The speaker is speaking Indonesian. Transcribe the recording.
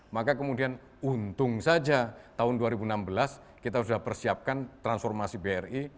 maka kemudian untung saja tahun dua ribu enam belas kita sudah persiapkan transformasi bri